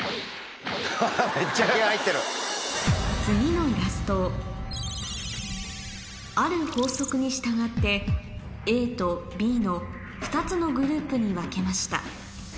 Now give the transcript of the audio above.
次のイラストをある法則に従ってＡとＢの２つのグループに分けました